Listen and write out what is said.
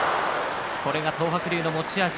これが東白龍の持ち味。